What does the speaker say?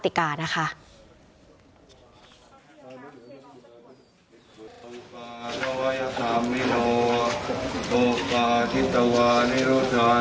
ทั้งคนทั้งคนก็แปลว่าแม่